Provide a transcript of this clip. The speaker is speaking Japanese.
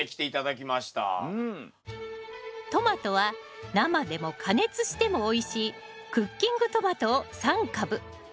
トマトは生でも加熱してもおいしいクッキングトマトを３株。